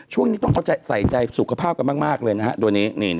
พวกนี้ต้องเขาใส่ใจสุขภาวกันมากเลยนะฮะดูนี้นี่